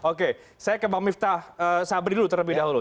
oke saya ke bang miftah sabri dulu terlebih dahulu